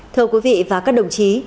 thưa quý vị và các đồng chí